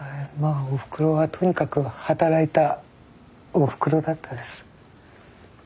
あおふくろはとにかく働いたおふくろだったです。